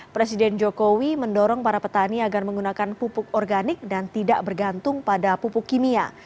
presiden jokowi mendorong para petani agar menggunakan pupuk organik dan tidak bergantung pada pupuk kimia